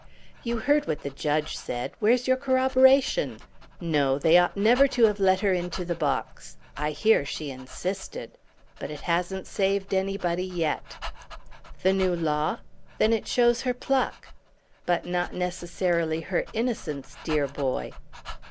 "You heard what the judge said. Where's your corroboration? No, they ought never to have let her go into the box. I hear she insisted. But it hasn't saved anybody yet." "The new law? Then it shows her pluck!" "But not necessarily her innocence, dear boy."